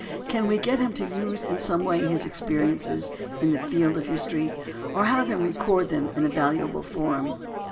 Can we get him to use in some way his experiences in the field of history, or have him record them in a valuable form?